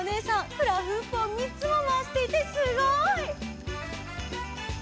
フラフープをみっつもまわしていてすごい！